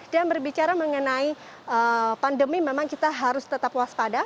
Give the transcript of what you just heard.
dan berbicara mengenai pandemi memang kita harus tetap waspada